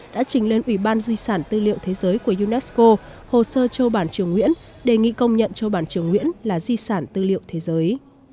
đã trình lên ủy ban di sản tư liệu thế giới của unesco hồ sơ châu bản triều nguyễn đề nghị công nhận châu bản triều nguyễn là di sản tư liệu thế giới